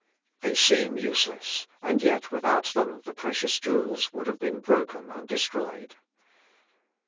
They seem useless, and yet without them the precious jewels would have been broken and destroyed.